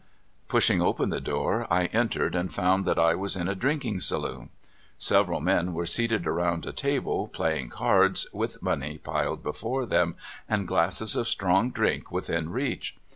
Pushing open the door, I entered, and found that I was in a drinking saloon. Several men were seated around a table playing cards, with money piled before them, and glasses of strong drink within reach.